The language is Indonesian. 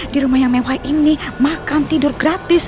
di rumah yang mewah ini makan tidur gratis